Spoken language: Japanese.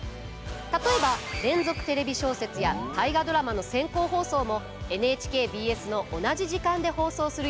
例えば「連続テレビ小説」や「大河ドラマ」の先行放送もＮＨＫＢＳの同じ時間で放送する予定です。